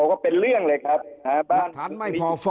ก็เป็นเรื่องเลยครับ